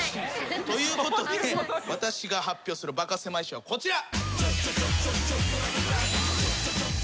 ということで私が発表するバカせまい史はこちら。